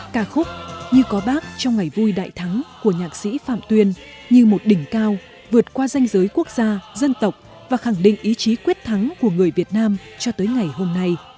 ca khúc như có bác trong ngày vui đại thắng của nhạc sĩ phạm tuyên như một đỉnh cao vượt qua danh giới quốc gia dân tộc và khẳng định ý chí quyết thắng của người việt nam cho tới ngày hôm nay